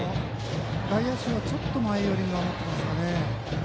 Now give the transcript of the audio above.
外野手はちょっと前寄りに守っていますかね。